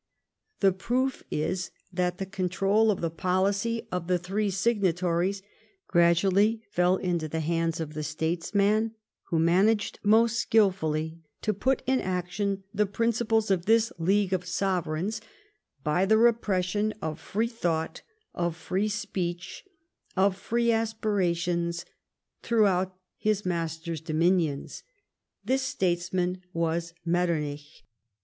The proof is that the control of the policy of the three signatories gradually fell into the hands of the statesman who managed most skilfully to put in action the principles of this league of sovereigns, by tlie repression of free thought, of free speech, of free aspira tions, throughout his master's dominions. This statesman was Metternich.